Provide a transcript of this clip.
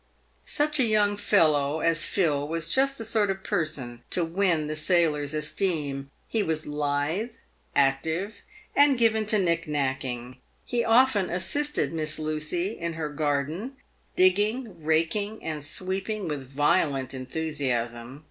Such a young fellow as Phil was just the sort of person to win the sailor's esteem. He was lithe, active, and given to nick nacking. He often assisted Miss Lucy in her garden, digging, raking, and sweeping with violent enthusiasm.